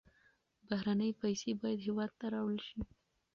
بهرنۍ پیسې باید هېواد ته راوړل شي.